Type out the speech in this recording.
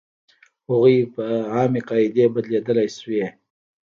هغوی په عامې قاعدې بدلېدلی شوې.